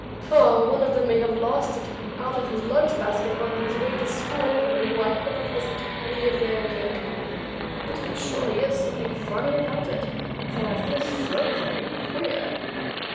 One of them may have lost it out of his lunch basket on his way to school. I hope it wasn't any of their cake. But there is surely something funny about it, for I feel so very queer!"